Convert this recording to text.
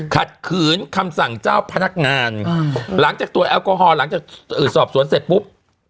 ขัดขืนคำสั่งเจ้าพนักงานหลังจากตรวจแอลกอฮอลหลังจากสอบสวนเสร็จปุ๊บ